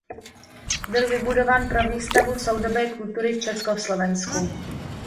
Byl vybudován pro výstavu soudobé kultury v Československu.